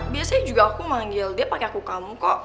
biasanya juga aku manggil dia pakai aku kamu kok